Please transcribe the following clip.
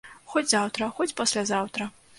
Хоць заўтра, хоць паслязаўтра!